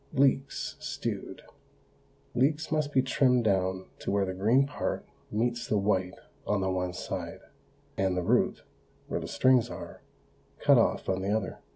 LEEKS, STEWED. Leeks must be trimmed down to where the green part meets the white on the one side, and the root, where the strings are, cut off on the other.